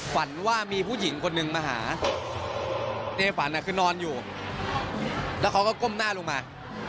ฝันว่ามีผู้หญิงคนนึงมาหาในฝันคือนอนอยู่แล้วเขาก็ก้มหน้าลงมา